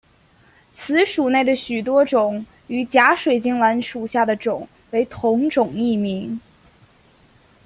此属内的许多种与假水晶兰属下的种为同种异名。